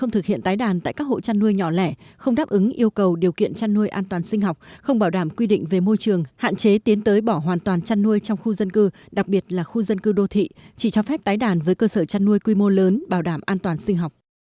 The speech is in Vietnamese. nếu các hội chăn nuôi nhỏ lẻ không đáp ứng yêu cầu điều kiện chăn nuôi an toàn sinh học không bảo đảm quy định về môi trường hạn chế tiến tới bỏ hoàn toàn chăn nuôi trong khu dân cư đặc biệt là khu dân cư đô thị chỉ cho phép tái đàn với cơ sở chăn nuôi quy mô lớn bảo đảm an toàn sinh học